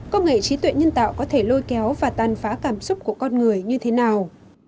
công nghệ trí tuệ nhân tạo có thể lôi kéo và tàn phá cảm xúc của con người như thế nào